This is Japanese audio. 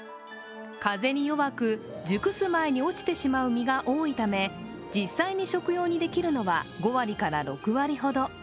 風に弱く、熟す前に落ちてしまう実が多いため実際に食用にできるのは５割から６割ほど。